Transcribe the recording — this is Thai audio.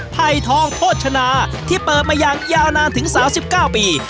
ไผ่ทองโภชนาที่เปิดมาอย่างยาวนานถึง๓๙ปี